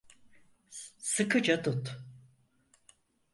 Sıkıca tut.